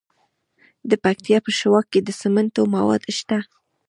د پکتیا په شواک کې د سمنټو مواد شته.